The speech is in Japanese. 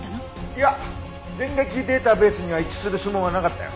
いや前歴データベースには一致する指紋はなかったよ。